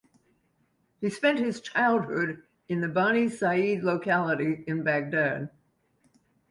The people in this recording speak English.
He spent his childhood in the Bani Said locality in Baghdad.